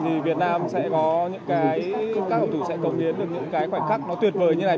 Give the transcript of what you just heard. thì việt nam sẽ có những cái các hậu thủ sẽ cống biến được những cái khoảnh khắc nó tuyệt vời như thế này